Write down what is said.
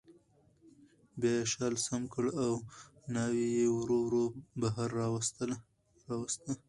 بیا یې شال سم کړ او ناوې یې ورو ورو بهر راوویسته